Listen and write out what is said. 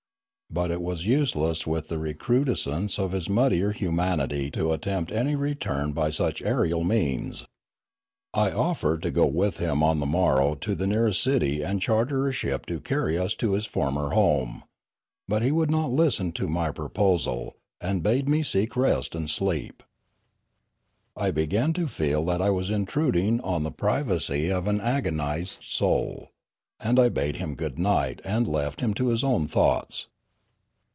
But it was useless with the recrudescence of his muddier humanity to attempt return by such aerial means. I offered to go with him on the morrow to the nearest city and charter a ship to carry us to his former home. But he would not listen to my proposal, and bade me seek rest and sleep. I began to feel that I was intruding on the privacy of an agonised soul, and I bade him good night and left him to his own thoughts.